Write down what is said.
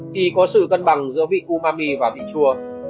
thì có sự cân bằng giữa vị kumami và vị chua